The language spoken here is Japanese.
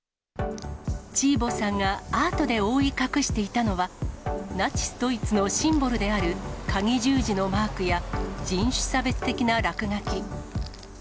チーボさんがアートで覆い隠していたのは、ナチス・ドイツのシンボルであるかぎ十字のマークや、人種差別的な落書き。